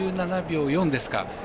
５７秒４ですか。